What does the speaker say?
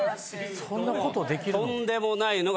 そんなことできるの？